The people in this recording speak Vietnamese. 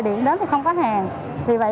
điện đến thì không có hàng vì vậy